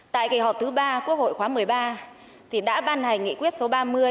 tại kỳ họp thứ ba quốc hội khóa một mươi ba thì đã ban hành nghị quyết số ba mươi